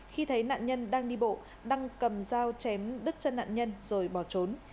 khi thấy nạn nhân đang đi bộ đăng cầm dao chém đứt chân nạn nhân rồi bỏ trốn